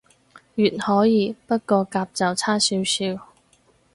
乙可以，不過甲就差少少